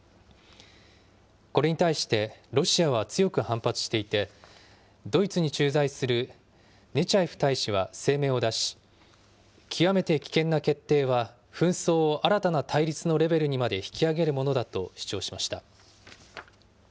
これに対してロシアは強く反発していて、ドイツに駐在するネチャエフ大使は声明を出し、極めて危険な決定は、紛争を新たな対立のレベルにまで引き上げるものだと主張しました。